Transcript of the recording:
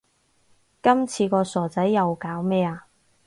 今次個傻仔又搞咩呀